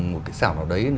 một cái xảo nào đấy